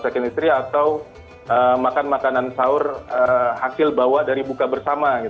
atau makan makanan sahur hakil bawa dari buka bersama gitu